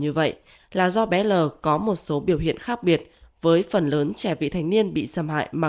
như vậy là do bé l có một số biểu hiện khác biệt với phần lớn trẻ vị thành niên bị xâm hại mà